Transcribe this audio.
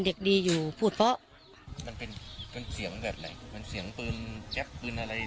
นางศรีพรายดาเสียยุ๕๑ปี